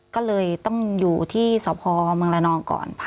ก็เลยต้องอยู่ที่สพเมืองละนองก่อน